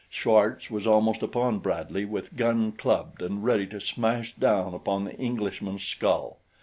Schwartz was almost upon Bradley with gun clubbed and ready to smash down upon the Englishman's skull.